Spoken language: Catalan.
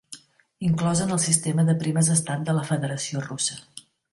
Inclòs en el sistema de primes estat de la Federació Russa.